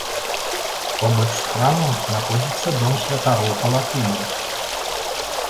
Побач з храмам знаходзіцца дом святароў-палатынаў.